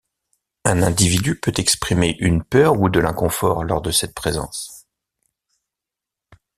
Un individu peut exprimer une peur ou de l'inconfort lors de cette présence.